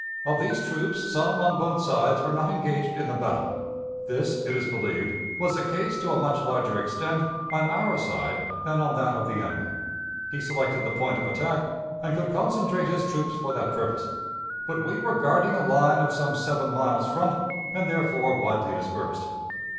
Of these troops, some on both sides were not engaged in the battle. This, it is believed, was the case to a much larger extent on our side than on that of the enemy. He selected the point of attack, and could concentrate his troops for that purpose, but we were guarding a line of some seven miles front, and therefore widely dispersed.